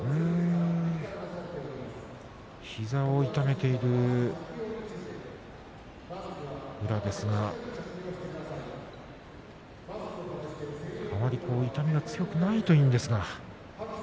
膝を痛めている宇良ですがあまり痛みが強くないといいんですが。